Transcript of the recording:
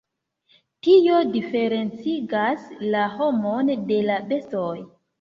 Tio diferencigas la homon de la bestoj.